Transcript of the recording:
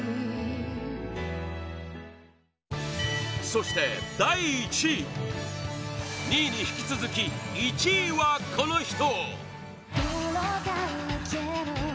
そして第１位２位に引き続き１位はこの人！